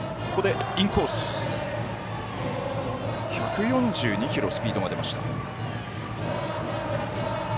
１４２キロスピードが出ました。